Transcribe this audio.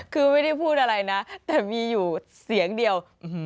คือไม่ได้พูดอะไรนะแต่มีอยู่เสียงเดียว